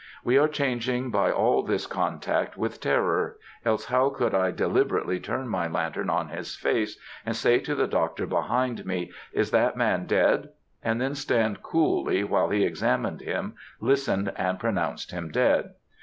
We are changed by all this contact with terror, else how could I deliberately turn my lantern on his face, and say to the doctor behind me, 'Is that man dead?' and then stand coolly while he examined him, listened, and pronounced him 'dead.'